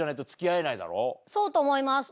そうと思います。